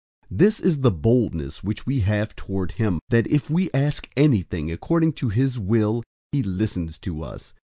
005:014 This is the boldness which we have toward him, that, if we ask anything according to his will, he listens to us.